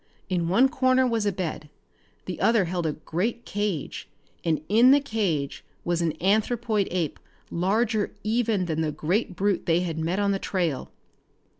In one corner was a bed. The other held a great cage and in the cage was an anthropoid ape larger even than the great brute they had met on the trail!